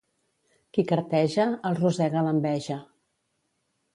Qui carteja, el rosega l'enveja.